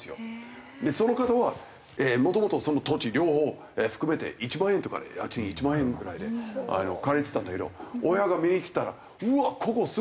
その方はもともとその土地両方を含めて１万円とかで家賃１万円ぐらいで借りてたんだけど大家が見に来たら「うわっここ住みやすそう！」